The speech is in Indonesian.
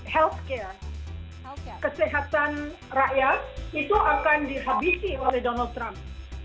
healthcare kesehatan rakyat itu akan dihabisi oleh donald trump